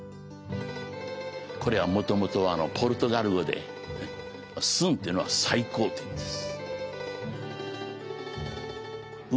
これはもともとはポルトガル語で「スン」というのは「最高」という意味です。